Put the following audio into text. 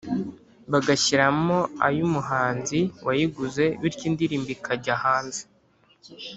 bagashyiramo ay'umuhanzi wayiguze bityo indirimbo ikajya hanze.